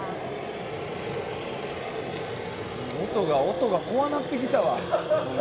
音が怖なってきたわ。